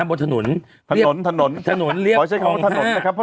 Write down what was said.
บนถนนเรียกของห้า